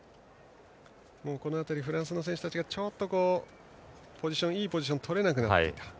この辺り、フランスの選手たちがいいポジションをとれなくなっていた。